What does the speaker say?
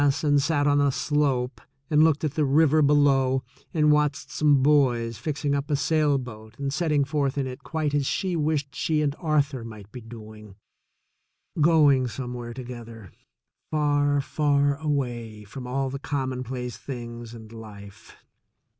144 THE SECOND CHOICE and sat on a slope and looked at the river below and watched some boys fixing up a sailboat and setting forth in it quite as she wished she and Arthur might be doing — going somewhere together — far, far away from all commonplace things and life!